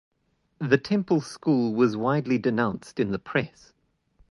The temple school was widely denounced in the press.